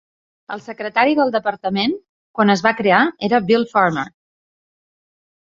El secretari del Departament quan es va crear era Bill Farmer.